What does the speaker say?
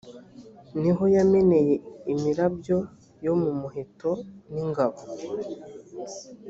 ni ho yameneye imirabyo yo mu muheto n ingabo